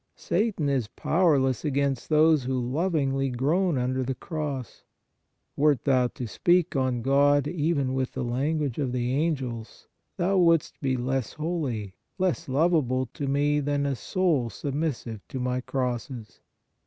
Satan is powerless against those who lovingly groan under the cross. Wert thou to speak on God even with the language of the angels, thou wouldst be less holy, less lovable to Me than a soul submissive to My crosses.